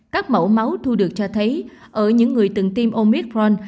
các mẫu máu thu được cho thấy ở những người từng tiêm omitron